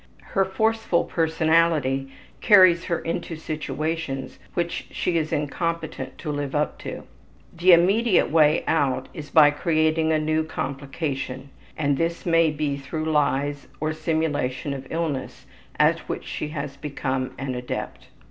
Her forceful personality carries her into situations which she is incompetent to live up to. The immediate way out is by creating a new complication, and this may be through lies or the simulation of illness, at which she has become an adept.